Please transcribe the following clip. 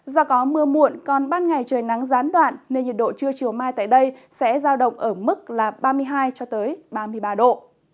do có mưa muộn còn ban ngày trời nắng gián đoạn nên nhiệt độ trưa chiều mai tại đây sẽ giao động ở mức ba mươi hai ba mươi ba độ